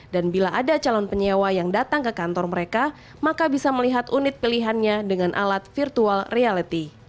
dan bila ada calon penyewa yang datang ke kantor mereka maka bisa melihat unit pilihannya dengan alat virtual reality